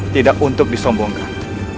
tidak untuk disombongkan